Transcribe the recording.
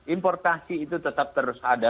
importasi itu tetap terus ada